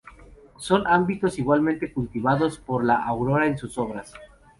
Son ámbitos igualmente cultivados por la autora en sus obras.